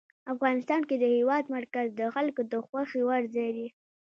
افغانستان کې د هېواد مرکز د خلکو د خوښې وړ ځای دی.